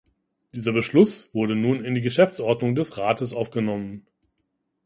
Dieser Beschluss wurde nun in die Geschäftsordnung des Rates aufgenommen.